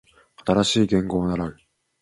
新しい言語を習う